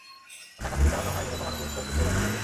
ঢাকা থেকে চালানো হয়—এ রকম আরও বেশ কয়েকটি পেজ আছে ফেসবুকে।